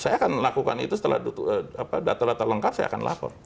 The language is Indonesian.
saya akan lakukan itu setelah data data lengkap saya akan lapor